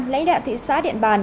lãnh đạo thị xã điện bàn